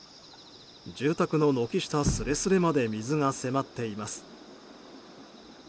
住宅の軒下すれすれまで水が迫っています。